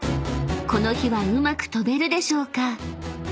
［この日はうまく跳べるでしょうか？］